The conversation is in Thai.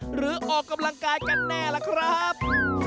หรือออกกำลังกายกันแน่ล่ะครับ